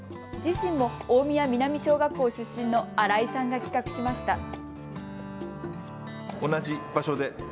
自身も大宮南小学校出身の新井さんが企画しました。